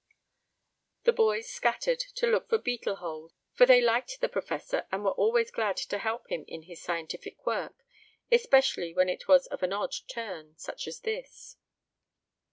The boys scattered, to look for beetle holes, for they liked the professor and were always glad to help him in his scientific work, especially when it was of an odd turn, such as this.